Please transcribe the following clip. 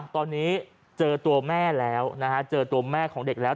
ตอนนี้เจอตัวแม่แล้วนะฮะเจอตัวแม่ของเด็กแล้ว